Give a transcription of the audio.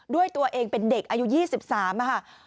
ด้วยตัวเองเป็นเด็กอายุ๒๓ค่ะ